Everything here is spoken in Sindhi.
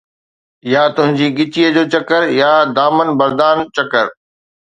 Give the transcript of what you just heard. يا تنهنجي ڳچيءَ جو چڪر يا دامن يزدان چڪر